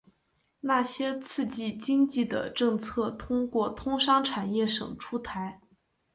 那些刺激经济的政策通过通商产业省出台。